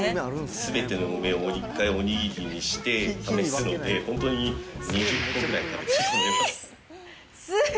すべての梅を一回おにぎりにして試したので、本当に２０個ぐらい食べたと思います。